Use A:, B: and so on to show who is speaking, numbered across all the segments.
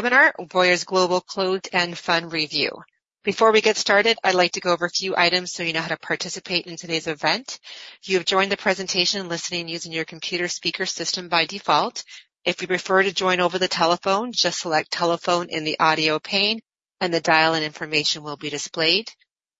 A: Webinar Voya's Global Closed-End Fund Review. Before we get started, I'd like to go over a few items so you know how to participate in today's event. If you have joined the presentation listening using your computer speaker system by default. If you prefer to join over the telephone, just select telephone in the audio pane and the dial-in information will be displayed.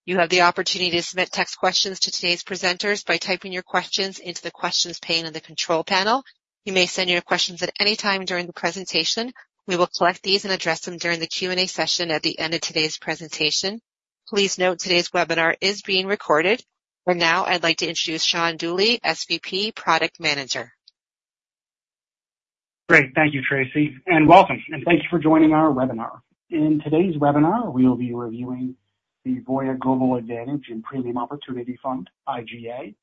A: You have the opportunity to submit text questions to today's presenters by typing your questions into the questions pane on the control panel. You may send your questions at any time during the presentation. We will collect these and address them during the Q&A session at the end of today's presentation. Please note today's webinar is being recorded. Now I'd like to introduce Sean Doyle, SVP Product Manager.
B: Great. Thank you, Tracy, and welcome, and thanks for joining our webinar. In today's webinar, we'll be reviewing the Voya Global Advantage and Premium Opportunity Fund, IGA,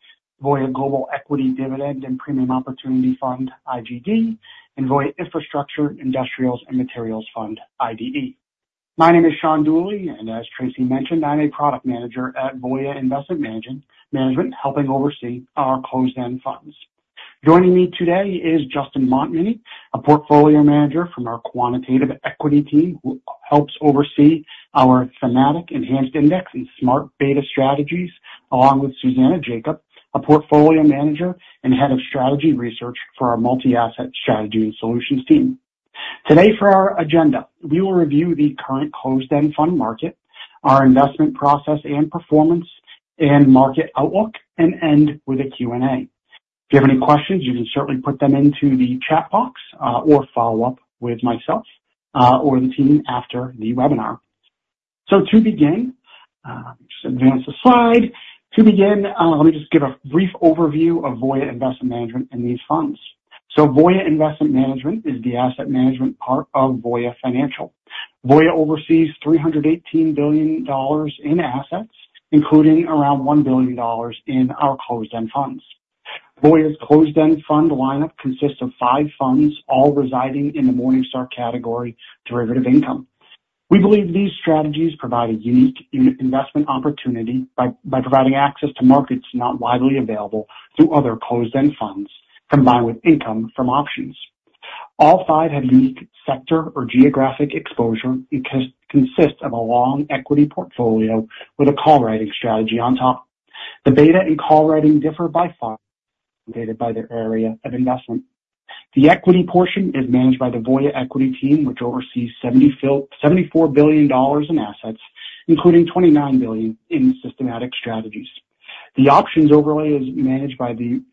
B: Voya Global Equity Dividend and Premium Opportunity Fund, IGD, and Voya Infrastructure, Industrials and Materials Fund, IDE. My name is Sean Doyle, and as Tracy mentioned, I'm a product manager at Voya Investment Management, helping oversee our closed-end funds. Joining me today is Justin Montminy, a portfolio manager from our quantitative equity team who helps oversee our thematic enhanced index and smart beta strategies, along with Susanna Jacob, a portfolio manager and head of strategy research for our Multi-Asset Strategies and Solutions team. Today for our agenda, we will review the current closed-end fund market, our investment process and performance, and market outlook, and end with a Q&A. If you have any questions, you can certainly put them into the chat box, or follow up with myself or the team after the webinar. To begin, just advance the slide. To begin, let me just give a brief overview of Voya Investment Management and these funds. Voya Investment Management is the asset management part of Voya Financial. Voya oversees $318 billion in assets, including around $1 billion in our closed-end funds. Voya's closed-end fund lineup consists of five funds, all residing in the Morningstar category, derivative income. We believe these strategies provide a unique investment opportunity by providing access to markets not widely available through other closed-end funds, combined with income from options. All five have unique sector or geographic exposure and consist of a long equity portfolio with a call writing strategy on top. The beta and call writing differ by far, dictated by their area of investment. The equity portion is managed by the Voya equity team, which oversees $74 billion in assets, including $29 billion in systematic strategies. The options overlay is managed by the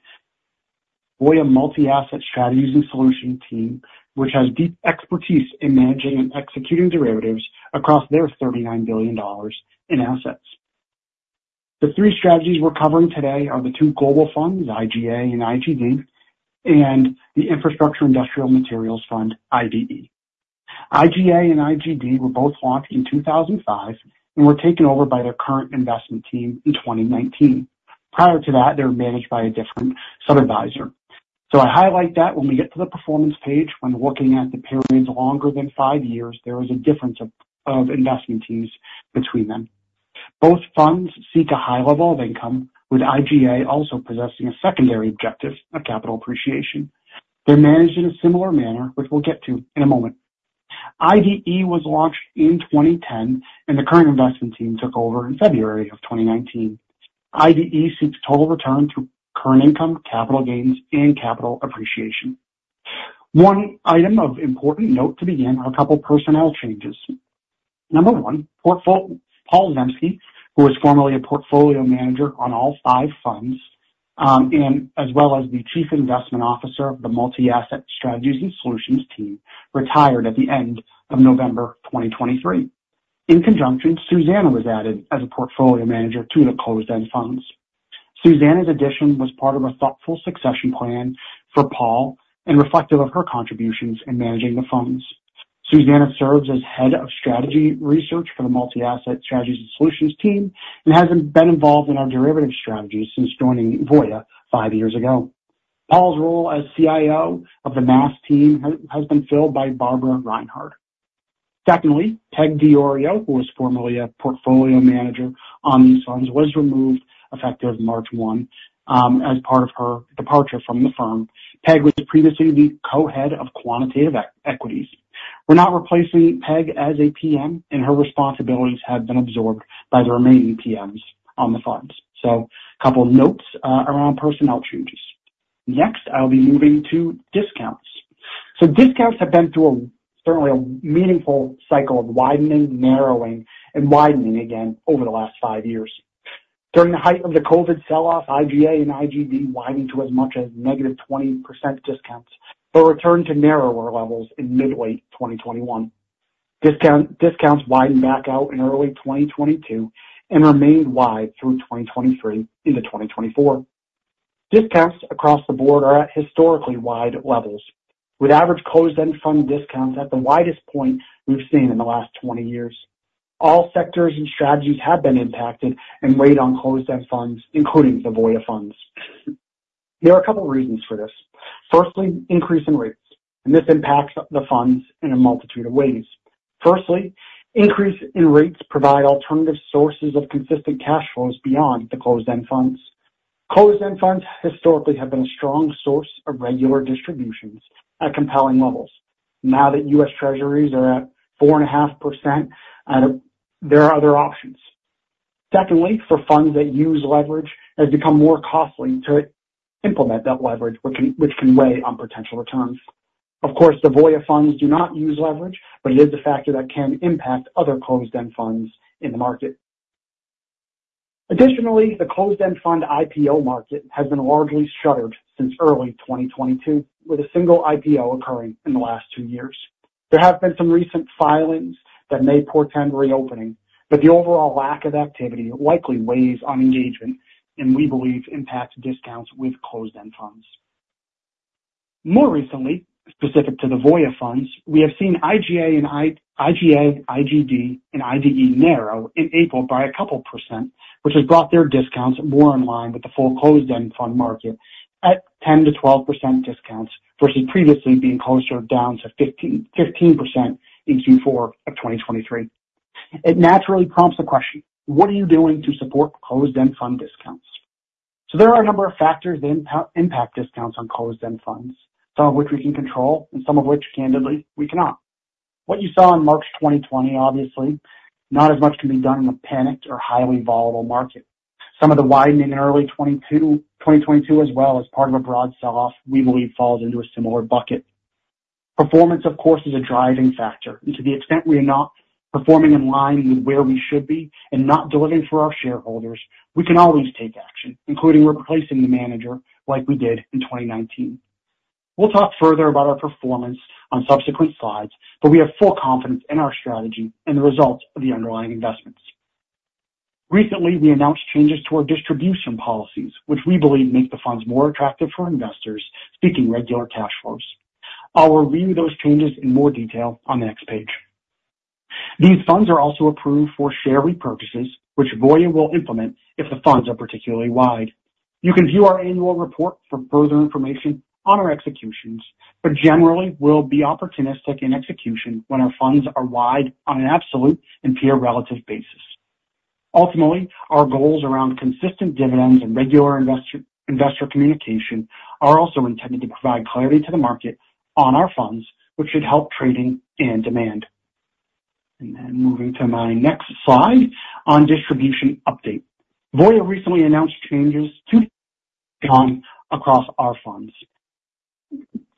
B: Voya Multi-Asset Strategies and Solutions team, which has deep expertise in managing and executing derivatives across their $39 billion in assets. The three strategies we're covering today are the two global funds, IGA and IGD, and the Voya Infrastructure, Industrials and Materials Fund, IDE. IGA and IGD were both launched in 2005 and were taken over by their current investment team in 2019. Prior to that, they were managed by a different sub-adviser. I highlight that when we get to the performance page, when looking at the periods longer than five years, there is a difference of investment teams between them. Both funds seek a high level of income, with IGA also possessing a secondary objective of capital appreciation. They're managed in a similar manner, which we'll get to in a moment. IDE was launched in 2010, and the current investment team took over in February of 2019. IDE seeks total return through current income, capital gains, and capital appreciation. One item of important note to begin are a couple of personnel changes. Number 1, Paul Zemsky, who was formerly a portfolio manager on all 5 funds, as well as the Chief Investment Officer of the Multi-Asset Strategies and Solutions team, retired at the end of November 2023. In conjunction, Susanna was added as a portfolio manager to the closed-end funds. Susanna's addition was part of a thoughtful succession plan for Paul and reflective of her contributions in managing the funds. Susanna serves as Head of Strategy Research for the Multi-Asset Strategies and Solutions team and has been involved in our derivative strategies since joining Voya 5 years ago. Paul's role as CIO of the MASS team has been filled by Barbara Reinhard. Secondly, Peg DiOrio, who was formerly a portfolio manager on these funds, was removed effective March 1 as part of her departure from the firm. Peg was previously the Co-Head of Quantitative Equities. We're not replacing Peg as a PM, and her responsibilities have been absorbed by the remaining PMs on the funds. A couple of notes around personnel changes. Next, I'll be moving to discounts. Discounts have been through certainly a meaningful cycle of widening, narrowing, and widening again over the last 5 years. During the height of the COVID sell-off, IGA and IGD widened to as much as negative 20% discounts, but returned to narrower levels in mid-late 2021. Discounts widened back out in early 2022 and remained wide through 2023 into 2024. Discounts across the board are at historically wide levels, with average closed-end fund discounts at the widest point we've seen in the last 20 years. All sectors and strategies have been impacted and weighed on closed-end funds, including the Voya funds. There are a couple of reasons for this. Firstly, increase in rates, and this impacts the funds in a multitude of ways. Firstly, increase in rates provide alternative sources of consistent cash flows beyond the closed-end funds. Closed-end funds historically have been a strong source of regular distributions at compelling levels. Now that U.S. Treasuries are at 4.5%, there are other options. Secondly, for funds that use leverage, it has become more costly to implement that leverage, which can weigh on potential returns. Of course, the Voya funds do not use leverage, but it is a factor that can impact other closed-end funds in the market. Additionally, the closed-end fund IPO market has been largely shuttered since early 2022, with a single IPO occurring in the last 2 years. There have been some recent filings that may portend reopening, but the overall lack of activity likely weighs on engagement and we believe impacts discounts with closed-end funds. More recently, specific to the Voya funds, we have seen IGA, IGD, and IDE narrow in April by a couple percent, which has brought their discounts more in line with the full closed-end fund market at 10%-12% discounts, versus previously being closer down to 15% in Q4 of 2023. It naturally prompts the question: What are you doing to support closed-end fund discounts? There are a number of factors that impact discounts on closed-end funds, some of which we can control, and some of which, candidly, we cannot. What you saw in March 2020, obviously, not as much can be done in a panicked or highly volatile market. Some of the widening in early 2022 as well as part of a broad sell-off, we believe, falls into a similar bucket. Performance, of course, is a driving factor, and to the extent we are not performing in line with where we should be and not delivering for our shareholders, we can always take action, including replacing the manager like we did in 2019. We will talk further about our performance on subsequent slides, but we have full confidence in our strategy and the results of the underlying investments. Recently, we announced changes to our distribution policies, which we believe make the funds more attractive for investors seeking regular cash flows. I will review those changes in more detail on the next page. These funds are also approved for share repurchases, which Voya will implement if the funds are particularly wide. You can view our annual report for further information on our executions, but generally, we will be opportunistic in execution when our funds are wide on an absolute and peer relative basis. Ultimately, our goals around consistent dividends and regular investor communication are also intended to provide clarity to the market on our funds, which should help trading and demand. Moving to my next slide on distribution update. Voya recently announced changes to across our funds.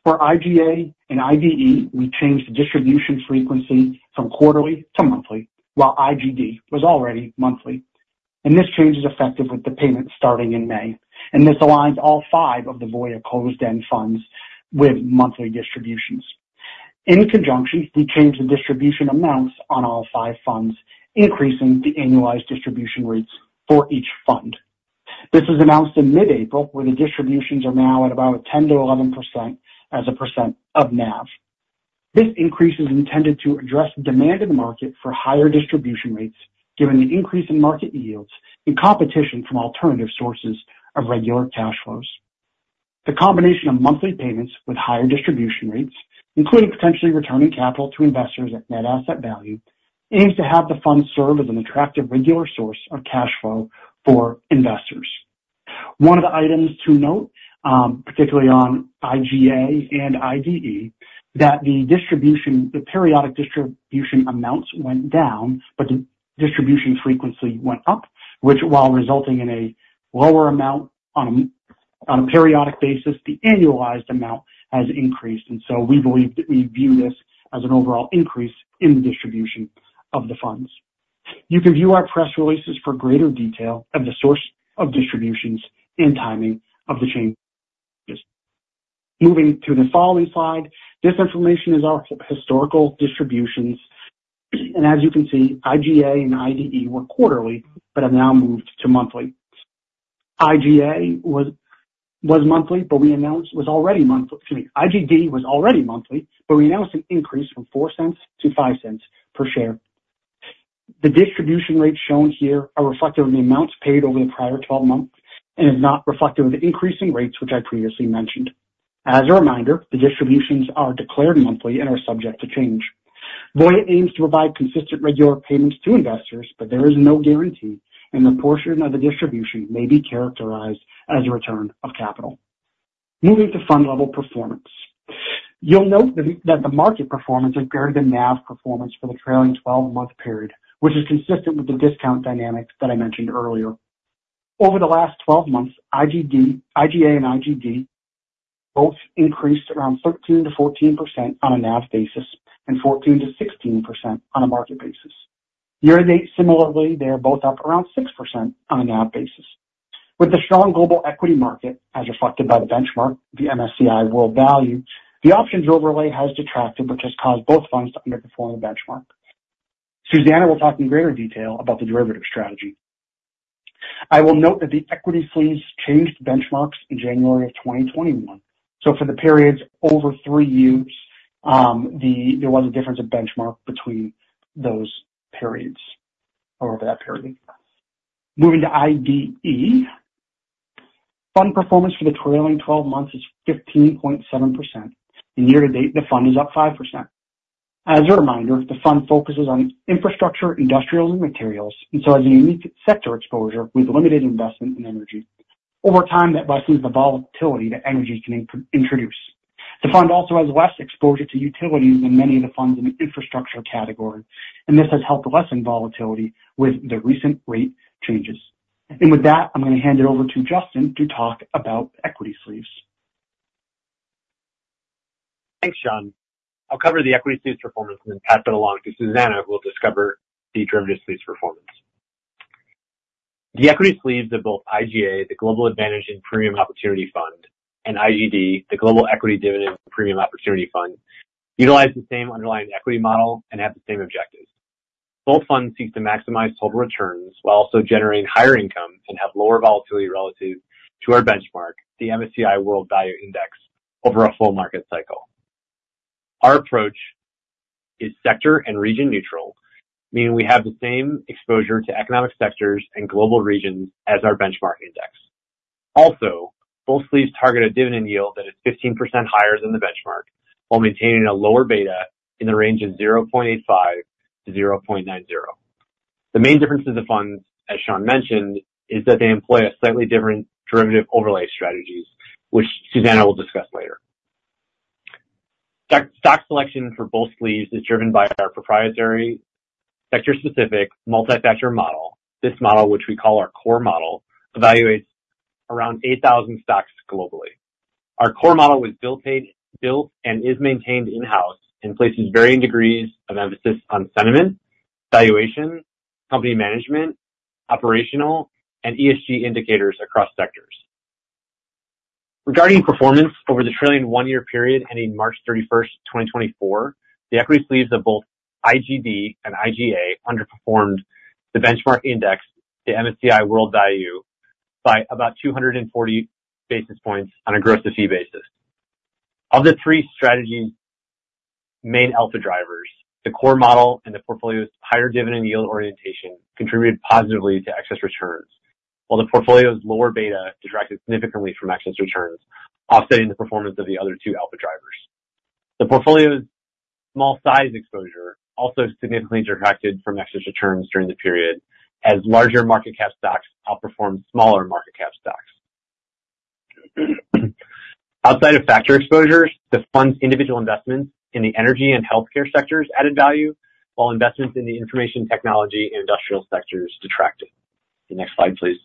B: For IGA and IDE, we changed the distribution frequency from quarterly to monthly, while IGD was already monthly. This change is effective with the payment starting in May, and this aligns all five of the Voya closed-end funds with monthly distributions. In conjunction, we changed the distribution amounts on all five funds, increasing the annualized distribution rates for each fund. This was announced in mid-April, where the distributions are now at about 10%-11% as a percent of NAV. This increase is intended to address the demand in the market for higher distribution rates, given the increase in market yields and competition from alternative sources of regular cash flows. The combination of monthly payments with higher distribution rates, including potentially returning capital to investors at net asset value, aims to have the fund serve as an attractive regular source of cash flow for investors. One of the items to note, particularly on IGA and IDE, that the periodic distribution amounts went down, but the distribution frequency went up, which while resulting in a lower amount on a periodic basis, the annualized amount has increased. We believe that we view this as an overall increase in the distribution of the funds. You can view our press releases for greater detail of the source of distributions and timing of the changes. Moving to the following slide. This information is our historical distributions, as you can see, IGA and IDE were quarterly but have now moved to monthly. IGA was monthly, but we announced was already monthly. Excuse me. IGD was already monthly, but we announced an increase from $0.04 to $0.05 per share. The distribution rates shown here are reflective of the amounts paid over the prior 12 months and is not reflective of the increase in rates, which I previously mentioned. As a reminder, the distributions are declared monthly and are subject to change. Voya aims to provide consistent regular payments to investors, but there is no guarantee, and the portion of the distribution may be characterized as a return of capital. Moving to fund level performance. You will note that the market performance is greater than NAV performance for the trailing 12-month period, which is consistent with the discount dynamics that I mentioned earlier. Over the last 12 months, IGA and IGD both increased around 13%-14% on a NAV basis and 14%-16% on a market basis. Year-to-date, similarly, they are both up around 6% on a NAV basis. With the strong global equity market, as reflected by the benchmark, the MSCI World Value, the options overlay has detracted, which has caused both funds to underperform the benchmark. Susanna will talk in greater detail about the derivative strategy. I will note that the equity sleeves changed benchmarks in January of 2021. For the periods over three years, there was a difference of benchmark between those periods or over that period. Moving to IDE. Fund performance for the trailing 12 months is 15.7%, and year-to-date, the fund is up 5%. As a reminder, the fund focuses on infrastructure, industrials, and materials, and so has a unique sector exposure with limited investment in energy. Over time, that lessens the volatility that energy can introduce. The fund also has less exposure to utilities than many of the funds in the infrastructure category, and this has helped lessen volatility with the recent rate changes. With that, I am going to hand it over to Justin to talk about equity sleeves.
C: Thanks, Sean. I will cover the equity sleeve performance and then pass it along to Susanna, who will discuss the derivative sleeve performance. The equity sleeves of both IGA, the Voya Global Advantage and Premium Opportunity Fund, and IGD, the Voya Global Equity Dividend and Premium Opportunity Fund, utilize the same underlying equity model and have the same objectives. Both funds seek to maximize total returns while also generating higher income and have lower volatility relative to our benchmark, the MSCI World Value Index, over a full market cycle. Our approach is sector and region neutral, meaning we have the same exposure to economic sectors and global regions as our benchmark index. Also, both sleeves target a dividend yield that is 15% higher than the benchmark while maintaining a lower beta in the range of 0.85-0.90. The main difference in the funds, as Sean mentioned, is that they employ slightly different derivative overlay strategies, which Susanna will discuss later. Stock selection for both sleeves is driven by our proprietary sector-specific multi-factor model. This model, which we call our core model, evaluates around 8,000 stocks globally. Our core model was built and is maintained in-house and places varying degrees of emphasis on sentiment, valuation, company management, operational, and ESG indicators across sectors. Regarding performance over the trailing one-year period ending March 31, 2024, the equity sleeves of both IGD and IGA underperformed the benchmark index, the MSCI World Value Index, by about 240 basis points on a gross-of-fee basis. Of the three strategy main alpha drivers, the core model and the portfolio's higher dividend yield orientation contributed positively to excess returns, while the portfolio's lower beta detracted significantly from excess returns, offsetting the performance of the other two alpha drivers. The portfolio's small size exposure also significantly detracted from excess returns during the period as larger market cap stocks outperformed smaller market cap stocks. Outside of factor exposures, the fund's individual investments in the energy and healthcare sectors added value, while investments in the information technology and industrial sectors detracted. The next slide, please.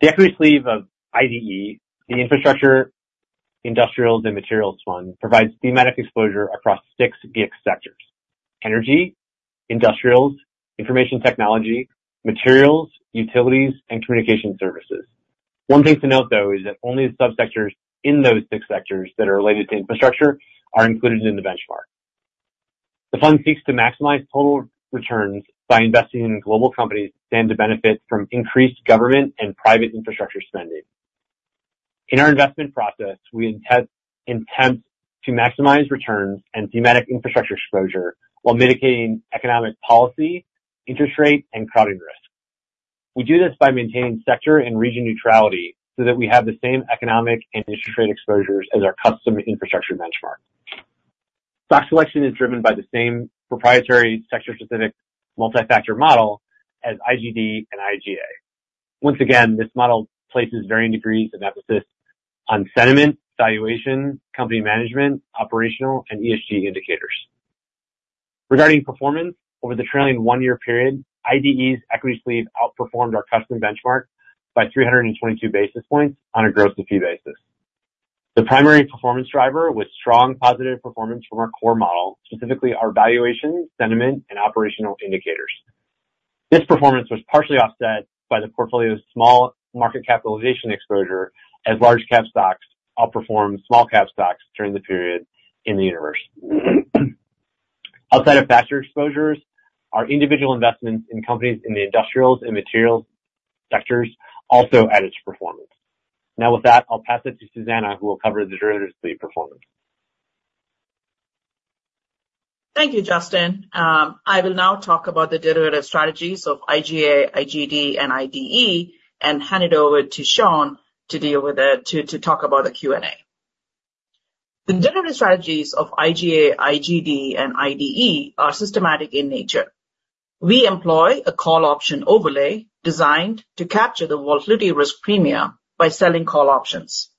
C: The equity sleeve of IDE, the Voya Infrastructure, Industrials and Materials Fund, provides thematic exposure across six GICS sectors: energy, industrials, information technology, materials, utilities, and communication services. One thing to note, though, is that only the sub-sectors in those six sectors that are related to infrastructure are included in the benchmark. The fund seeks to maximize total returns by investing in global companies stand to benefit from increased government and private infrastructure spending. In our investment process, we attempt to maximize returns and thematic infrastructure exposure while mitigating economic policy, interest rate, and crowding risk. We do this by maintaining sector and region neutrality so that we have the same economic and interest rate exposures as our custom infrastructure benchmark. Stock selection is driven by the same proprietary sector-specific multi-factor model as IGD and IGA. Once again, this model places varying degrees of emphasis on sentiment, valuation, company management, operational, and ESG indicators. Regarding performance over the trailing one-year period, IDE's equity sleeve outperformed our custom benchmark by 322 basis points on a gross-to-fee basis. The primary performance driver was strong positive performance from our core model, specifically our valuation, sentiment, and operational indicators. This performance was partially offset by the portfolio's small market capitalization exposure as large-cap stocks outperformed small-cap stocks during the period in the universe. Outside of factor exposures, our individual investments in companies in the industrials and materials sectors also added to performance. Now, with that, I'll pass it to Susannah, who will cover the derivative sleeve performance.
D: Thank you, Justin. I will now talk about the derivative strategies of IGA, IGD, and IDE, and hand it over to Sean to talk about the Q&A. The derivative strategies of IGA, IGD, and IDE are systematic in nature. We employ a call option overlay designed to capture the volatility risk premia by selling call options.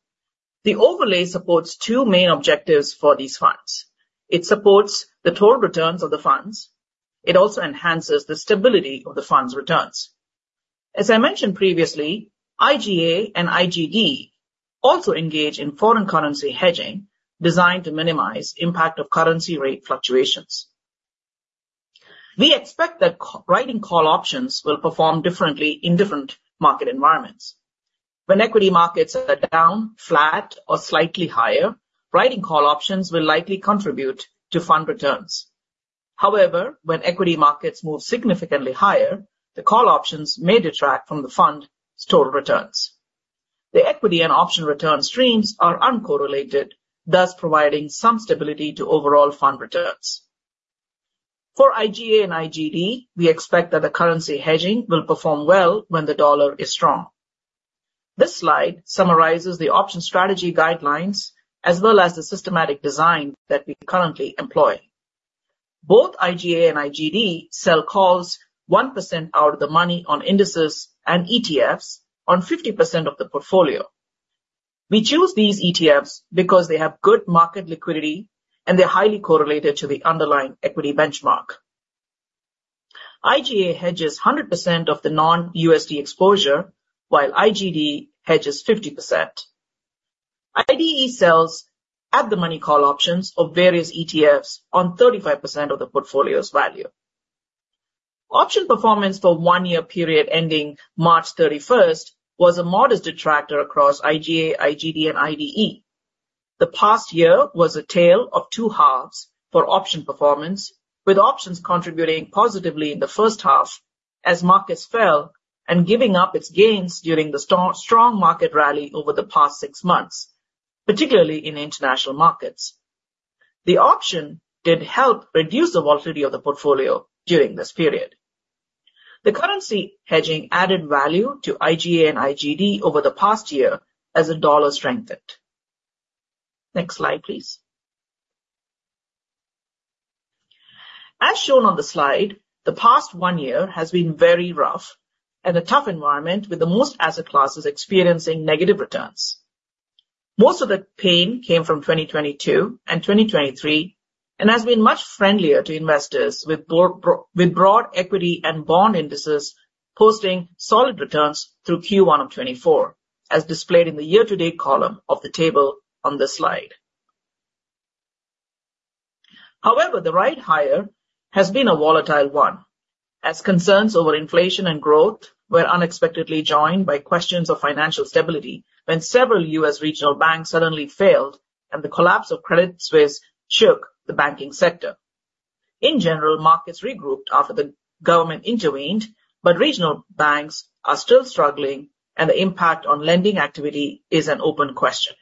D: The overlay supports two main objectives for these funds. It supports the total returns of the funds. It also enhances the stability of the fund's returns. As I mentioned previously, IGA and IGD also engage in foreign currency hedging designed to minimize impact of currency rate fluctuations. We expect that writing call options will perform differently in different market environments. When equity markets are down, flat, or slightly higher, writing call options will likely contribute to fund returns. When equity markets move significantly higher, the call options may detract from the fund's total returns. The equity and option return streams are uncorrelated, thus providing some stability to overall fund returns. For IGA and IGD, we expect that the currency hedging will perform well when the USD is strong. This slide summarizes the option strategy guidelines as well as the systematic design that we currently employ. Both IGA and IGD sell calls 1% out of the money on indices and ETFs on 50% of the portfolio. We choose these ETFs because they have good market liquidity and they're highly correlated to the underlying equity benchmark. IGA hedges 100% of the non-USD exposure, while IGD hedges 50%. IDE sells at the money call options of various ETFs on 35% of the portfolio's value. Option performance for one-year period ending March 31st was a modest detractor across IGA, IGD, and IDE. The past year was a tale of two halves for option performance, with options contributing positively in the first half as markets fell and giving up its gains during the strong market rally over the past six months, particularly in international markets. The option did help reduce the volatility of the portfolio during this period. The currency hedging added value to IGA and IGD over the past year as the USD strengthened. Next slide, please. As shown on the slide, the past one year has been very rough and a tough environment with the most asset classes experiencing negative returns. Most of the pain came from 2022 and 2023 and has been much friendlier to investors with broad equity and bond indices posting solid returns through Q1 of 2024, as displayed in the year-to-date column of the table on this slide. The ride higher has been a volatile one, as concerns over inflation and growth were unexpectedly joined by questions of financial stability when several U.S. regional banks suddenly failed and the collapse of Credit Suisse shook the banking sector. Markets regrouped after the government intervened, but regional banks are still struggling, and the impact on lending activity is an open question.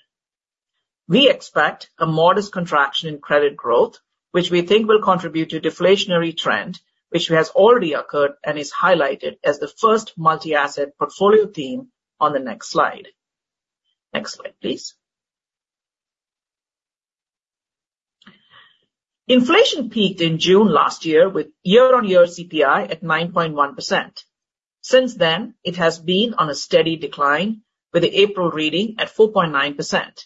D: We expect a modest contraction in credit growth, which we think will contribute to deflationary trend, which has already occurred and is highlighted as the first multi-asset portfolio theme on the next slide. Next slide, please. Inflation peaked in June last year with year-on-year CPI at 9.1%. Since then, it has been on a steady decline, with the April reading at 4.9%.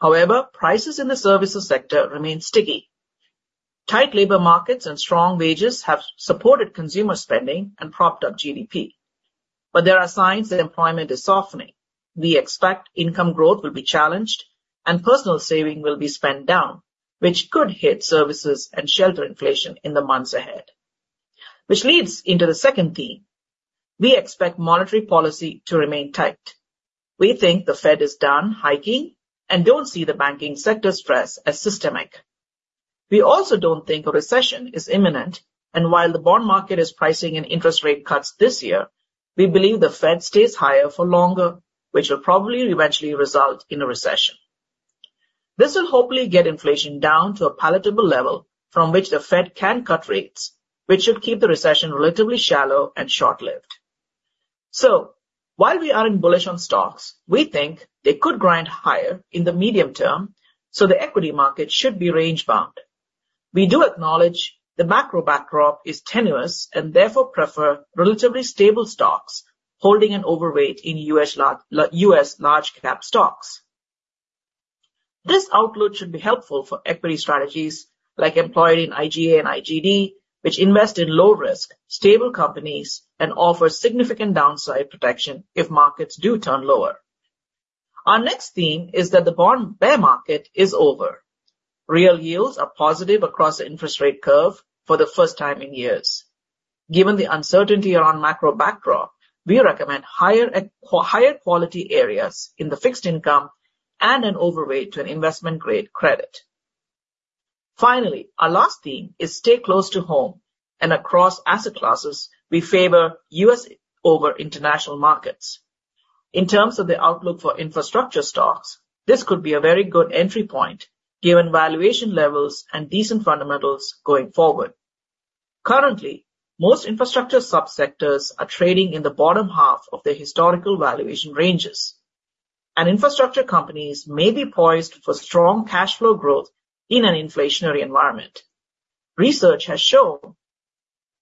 D: However, prices in the services sector remain sticky. Tight labor markets and strong wages have supported consumer spending and propped up GDP. There are signs that employment is softening. We expect income growth will be challenged and personal saving will be spent down, which could hit services and shelter inflation in the months ahead. Which leads into the second theme. We expect monetary policy to remain tight. We think the Fed is done hiking and don't see the banking sector stress as systemic. We also don't think a recession is imminent, while the bond market is pricing in interest rate cuts this year, we believe the Fed stays higher for longer, which will probably eventually result in a recession. This will hopefully get inflation down to a palatable level from which the Fed can cut rates, which should keep the recession relatively shallow and short-lived. While we aren't bullish on stocks, we think they could grind higher in the medium term, the equity market should be range bound. We do acknowledge the macro backdrop is tenuous and therefore prefer relatively stable stocks holding an overweight in U.S. large cap stocks. This outlook should be helpful for equity strategies like employed in IGA and IGD, which invest in low risk, stable companies and offer significant downside protection if markets do turn lower. Our next theme is that the bond bear market is over. Real yields are positive across the interest rate curve for the first time in years. Given the uncertainty around macro backdrop, we recommend higher quality areas in the fixed income and an overweight to an investment-grade credit. Finally, our last theme is stay close to home, across asset classes, we favor U.S. over international markets. In terms of the outlook for infrastructure stocks, this could be a very good entry point given valuation levels and decent fundamentals going forward. Currently, most infrastructure subsectors are trading in the bottom half of their historical valuation ranges, and infrastructure companies may be poised for strong cash flow growth in an inflationary environment. Research has shown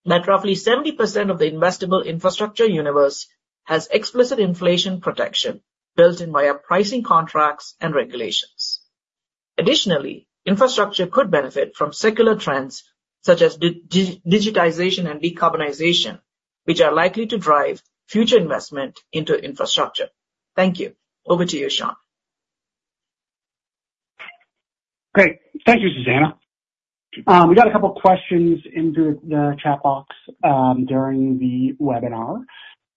D: that roughly 70% of the investable infrastructure universe has explicit inflation protection built in via pricing contracts and regulations. Additionally, infrastructure could benefit from secular trends such as digitization and decarbonization, which are likely to drive future investment into infrastructure. Thank you. Over to you, Sean.
B: Great. Thank you, Susanna. We got a couple questions into the chat box during the webinar.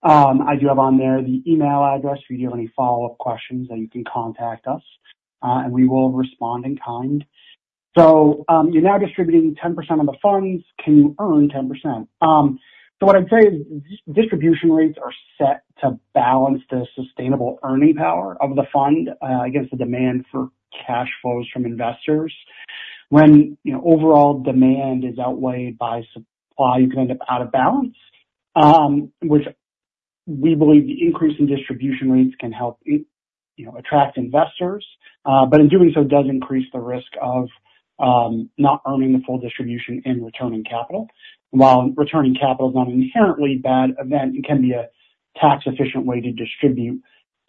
B: I do have on there the email address if you do have any follow-up questions that you can contact us, and we will respond in kind. You're now distributing 10% of the funds. Can you earn 10%? What I'd say is distribution rates are set to balance the sustainable earning power of the fund against the demand for cash flows from investors. When overall demand is outweighed by supply, you can end up out of balance, which we believe the increase in distribution rates can help attract investors. In doing so, it does increase the risk of not earning the full distribution and returning capital. While returning capital is not an inherently bad event, it can be a tax-efficient way to distribute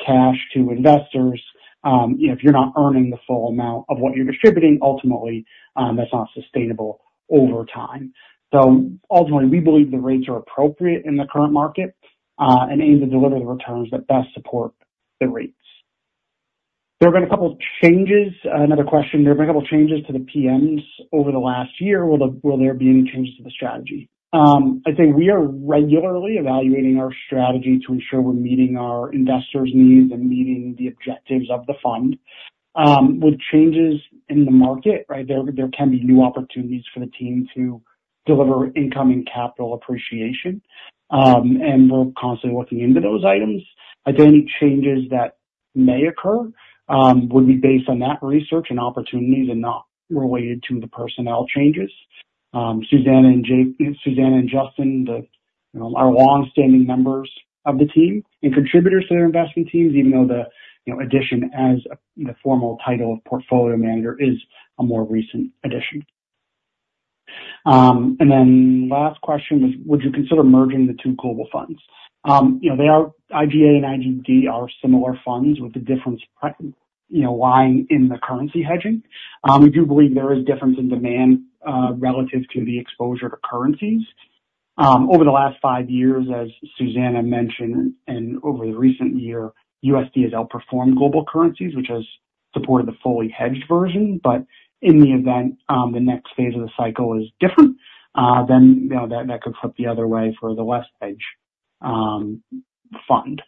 B: cash to investors. If you're not earning the full amount of what you're distributing, ultimately, that's not sustainable over time. Ultimately, we believe the rates are appropriate in the current market and aim to deliver the returns that best support the rates. There have been a couple of changes. Another question, there have been a couple changes to the PMs over the last year. Will there be any change to the strategy? I'd say we are regularly evaluating our strategy to ensure we're meeting our investors' needs and meeting the objectives of the fund. With changes in the market, there can be new opportunities for the team to deliver income and capital appreciation. We're constantly looking into those items. I'd say any changes that may occur would be based on that research and opportunities and not related to the personnel changes. Susanna and Justin are longstanding members of the team and contributors to their investment teams, even though the addition as a formal title of Portfolio Manager is a more recent addition. Last question was, would you consider merging the two global funds? IGA and IGD are similar funds with the difference lying in the currency hedging. We do believe there is difference in demand relative to the exposure to currencies. Over the last five years, as Susanna mentioned, and over the recent year, USD has outperformed global currencies, which has supported the fully hedged version. In the event the next phase of the cycle is different, that could flip the other way for the less hedged fund.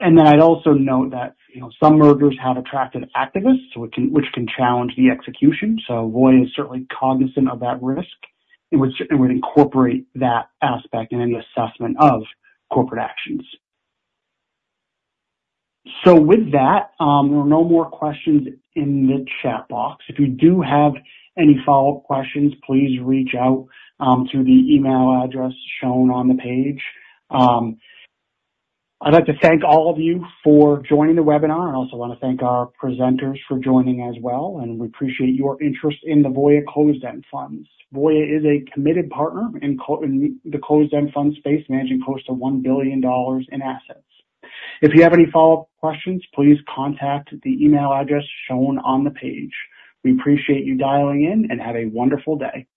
B: I'd also note that some mergers have attracted activists, which can challenge the execution. Voya is certainly cognizant of that risk and would incorporate that aspect in any assessment of corporate actions. With that, there are no more questions in the chat box. If you do have any follow-up questions, please reach out to the email address shown on the page. I'd like to thank all of you for joining the webinar, and also want to thank our presenters for joining as well, and we appreciate your interest in the Voya Closed-End Funds. Voya is a committed partner in the closed-end fund space, managing close to $1 billion in assets. If you have any follow-up questions, please contact the email address shown on the page. We appreciate you dialing in and have a wonderful day.